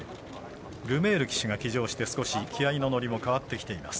ルメール騎手が騎乗して少し気合いの乗りも変わってきています。